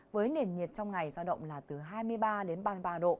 với nền nhiệt trong ngày giao động là từ hai mươi ba đến ba mươi ba độ